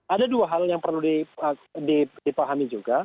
ada dua hal yang perlu dipahami juga